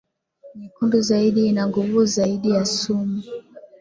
nyekundu zaidi ina nguvu zaidi ya sumu